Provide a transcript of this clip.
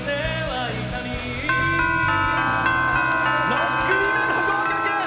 ６組目の合格！